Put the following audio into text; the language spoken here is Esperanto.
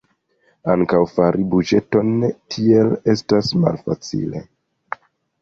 Ankaŭ fari buĝeton tiel estas malfacile.